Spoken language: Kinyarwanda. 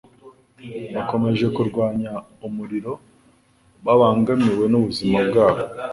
Bakomeje kurwanya umuriro babangamiwe n'ubuzima bwabo